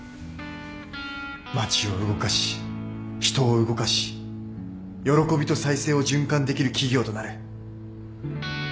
「街を動かし人を動かし喜びと再生を循環できる企業となる」